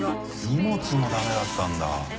荷物もダメだったんだ。